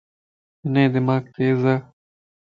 ھنجو دماغ تيز ا